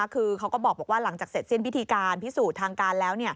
คือเขาก็บอกว่าหลังจากเสร็จสิ้นพิธีการพิสูจน์ทางการแล้ว